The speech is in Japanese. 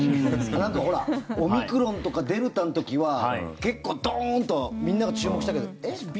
なんかほらオミクロンとかデルタの時は結構、ドーンとみんなが注目したけどえ？